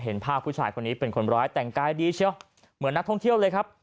เห็นภาพผู้ชายคนนี้เป็นคนร้ายแต่งกายดีเชียวเหมือนนักท่องเที่ยวเลยครับ